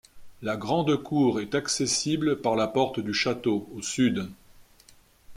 La grande cour est accessible par la porte du château au sud.